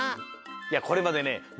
いやこれまでね